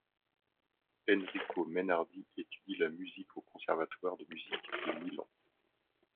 Enrico Mainardi étudie la musique au conservatoire de musique de Milan.